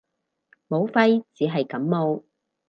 武肺只係感冒